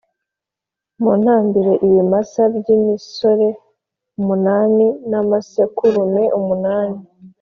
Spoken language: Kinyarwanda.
Muntambire ibimasa by’imisore umunani n’amasekurume umunani